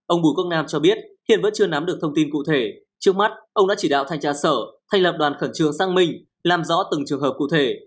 ông bùi công nam cho biết hiện vẫn chưa nắm được thông tin cụ thể trước mắt ông đã chỉ đạo thanh tra sở thành lập đoàn khẩn trương sang mình làm rõ từng trường hợp cụ thể